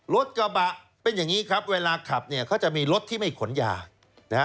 รถกระบะเป็นอย่างนี้ครับเวลาขับเนี่ยเขาจะมีรถที่ไม่ขนยานะฮะ